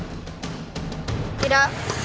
asap juga mengganggu waktu bermain dan belajar